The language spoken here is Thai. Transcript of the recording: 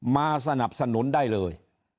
มาสนับสนุนได้เลย